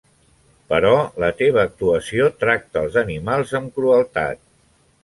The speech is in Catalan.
Però la teva actuació tracta els animals amb crueltat.